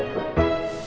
udah mau ke rumah